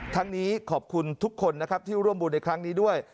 ทั้งนี้ขอบคุณทุกคนนะครับที่ร่วมบุญในครั้งนี้ด้วย